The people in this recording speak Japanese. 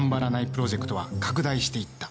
プロジェクトは拡大していった。